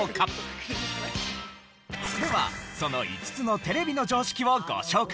ではその５つのテレビの常識をご紹介。